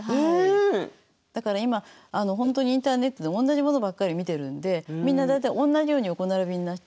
だから今本当にインターネットでおんなじものばっかり見てるんでみんな大体おんなじように横並びになっちゃう。